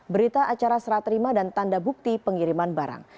berita acara seraterima dan tanda bukti pengiriman barang